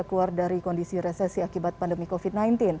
keluar dari kondisi resesi akibat pandemi covid sembilan belas